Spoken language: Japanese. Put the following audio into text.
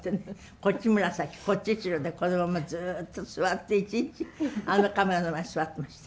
こっち紫こっち白でこのままずっと座って一日あのカメラの前で座ってました。